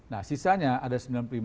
nah sisanya ada sembilan puluh lima